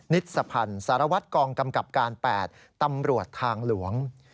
ิสพันธ์สารวัตรกองกำกับการ๘ตำรวจทางหลวง